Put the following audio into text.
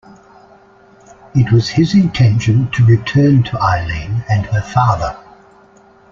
It was his intention to return to Eileen and her father.